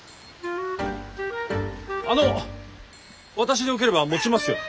あの私でよければ持ちますよ。